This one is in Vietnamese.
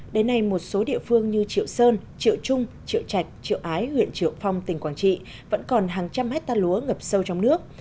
đến nay một số địa phương như triệu sơn triệu trung triệu trạch triệu ái huyện triệu phong tỉnh quảng trị vẫn còn hàng trăm hectare lúa ngập sâu trong nước